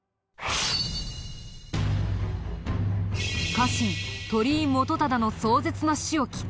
家臣鳥居元忠の壮絶な死をきっかけに。